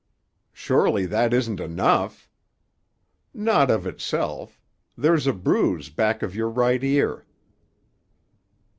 "Surely that isn't enough?" "Not of itself. There's a bruise back of your right ear."